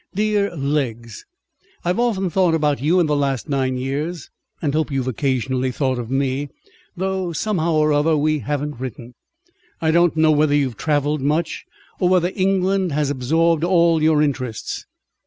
"Dear Legs, "I've often thought about you in the last nine years, and hope you've occasionally thought of me, though somehow or other we haven't written. I don't know whether you've travelled much, or whether England has absorbed all your interests.